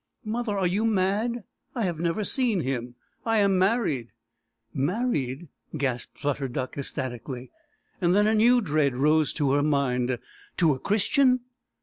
"Mother, are you mad? I have never seen him. I am married." "Married!" gasped Flutter Duck ecstatically. Then a new dread rose to her mind. "To a Christian?"